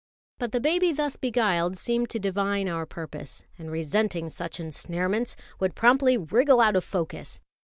But the baby thus beguiled seemed to divine our purpose; and, resenting such ensnarements, would promptly wriggle out of focus.